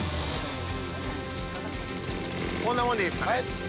こんなもんでいいですか？